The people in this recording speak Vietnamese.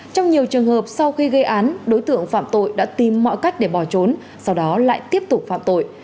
trong nhiều trường hợp sau khi gây án đối tượng phạm tội đã tìm mọi cách để bỏ trốn sau đó lại tiếp tục phạm tội